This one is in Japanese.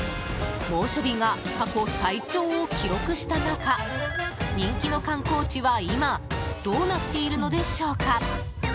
猛暑日が過去最長を記録した中人気の観光地は今どうなっているのでしょうか？